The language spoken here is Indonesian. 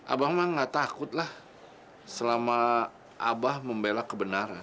abah mah nggak takutlah selama abah membela kebenaran